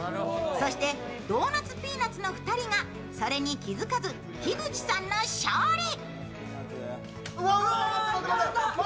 そしてドーナツ・ピーナツの２人がそれに気付かず樋口さんの勝利。